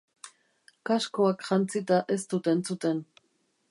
Kaskoak jantzita ez dut entzuten.